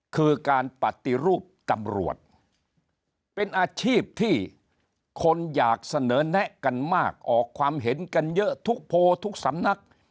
คือการปฏิรูปตำรวจเป็นอาชีพที่คนอยากเสนอแนะกันมากออกความเห็นกันเยอะทุกโพลทุกสำนัก